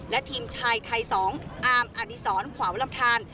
และทีมไทย๒อาร์มอาริสรขวาวลำทาน